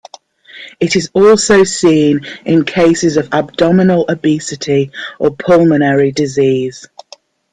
It is also seen in cases of abdominal obesity or pulmonary disease.